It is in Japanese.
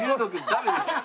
ダメです。